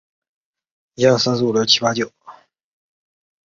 双牌县是一个重要林区。